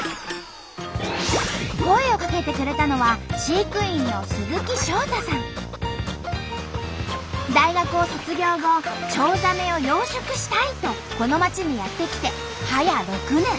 声をかけてくれたのは飼育員の大学を卒業後チョウザメを養殖したいとこの町にやって来て早６年。